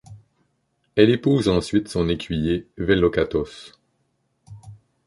Elle épouse ensuite son écuyer Vellocatos.